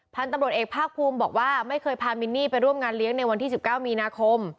พันธุ์ตำรวจเอกภาคภูมิบอกว่าไม่เคยพามินนี่ไปร่วมงานเลี้ยงในวันที่๑๙มีนาคม